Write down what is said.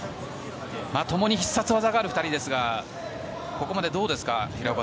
共に必殺技がある２人ですがここまで、どうですか？